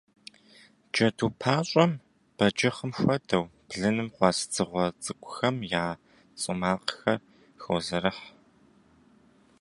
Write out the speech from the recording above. Джэду пащӏэм, бэджыхъым хуэдэу, блыным къуэс дзыгъуэ цӏыкӏухэм я цӏу макъхэр хозэрыхь.